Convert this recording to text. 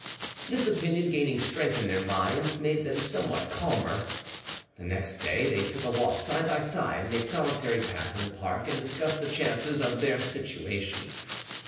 This opinion gaining strength in their minds made them somewhat calmer. The next day they took a walk side by side in a solitary path in the park and discussed the chances of their situation.